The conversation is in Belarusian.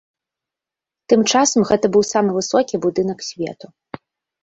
Тым часам гэта быў самы высокі будынак свету.